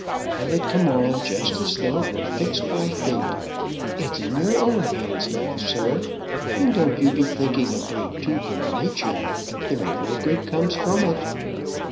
Let it come on just as though it were fixed by fate. It's in your own hands now, sir, and don't you be thinking of being too good natured; there ain't no good comes from it.